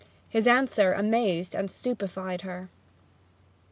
His answer amazed and stupefied her.